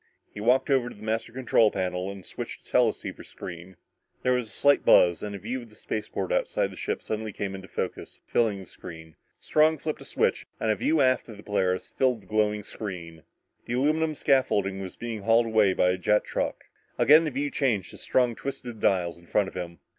He walked over to the master control panel and switched the teleceiver screen. There was a slight buzz, and a view of the spaceport outside the ship suddenly came into focus, filling the screen. Strong flipped a switch and a view aft on the Polaris filled the glowing square. The aluminum scaffolding was being hauled away by a jet truck. Again the view changed as Strong twisted the dials in front of him.